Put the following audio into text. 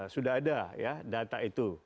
sudah ada ya data itu